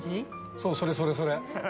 そうそれそれそれ！